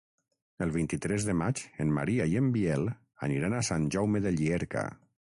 El vint-i-tres de maig en Maria i en Biel aniran a Sant Jaume de Llierca.